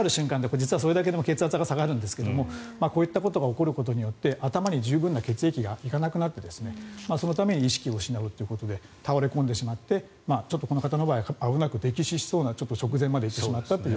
実はそれだけでも血圧が下がるんですがこういったことが起こることによって頭に十分な血液が行かなくなってそのために意識を失うということで倒れ込んでしまってちょっとこの方の場合は危なく溺死してしまう直前までいってしまったと。